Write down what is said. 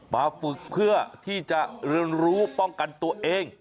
มาฝึกเพื่อที่จะเรียนรู้ป้องกันตัวเอง